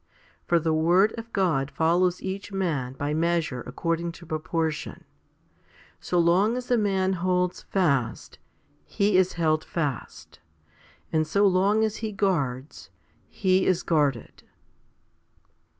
For the word of God follows each man by measure according to proportion. So long as a man holds fast, he is held fast ; and so long as he guards, he is guarded.